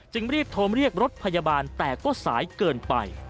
รีบโทรเรียกรถพยาบาลแต่ก็สายเกินไป